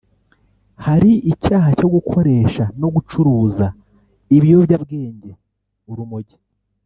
Hari icyaha cyo gukoresha no gucuruza ibiyobyabwenge (urumogi